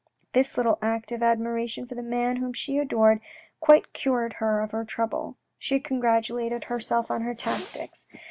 This little act of admiration for the man whom she adored quite cured her of her trouble. She congratulated herself on her tactics.